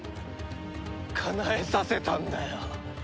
かなえさせたんだよ